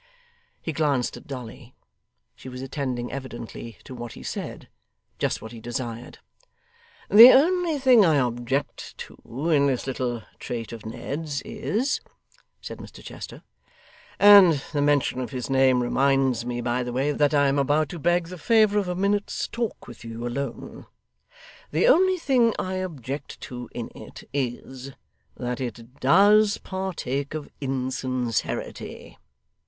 He glanced at Dolly. She was attending evidently to what he said. Just what he desired! 'The only thing I object to in this little trait of Ned's, is,' said Mr Chester, ' and the mention of his name reminds me, by the way, that I am about to beg the favour of a minute's talk with you alone the only thing I object to in it, is, that it DOES partake of insincerity.